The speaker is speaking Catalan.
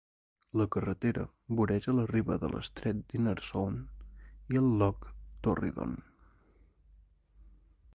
La carretera voreja la riba de l'estret d'Inner Sound i del Loch Torridon.